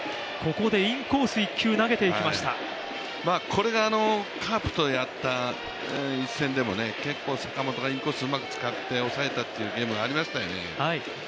これがカープとやった一戦でも結構インコースをうまく使って抑えたという場面がありましたね。